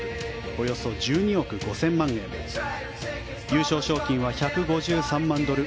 およそ１２億５０００万円優勝賞金は１５３万ドル